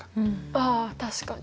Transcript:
あ確かに。